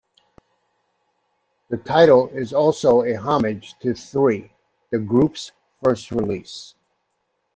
The title is also a homage to "Three", the group's first release.